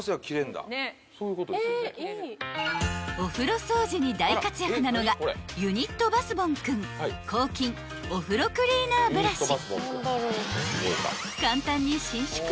［お風呂掃除に大活躍なのがユニットバスボンくん抗菌お風呂クリーナーブラシ］